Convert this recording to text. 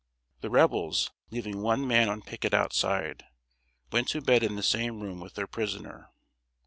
The Rebels, leaving one man on picket outside, went to bed in the same room with their prisoner.